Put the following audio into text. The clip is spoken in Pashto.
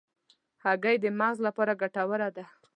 هګۍ د مغز لپاره ګټوره ده.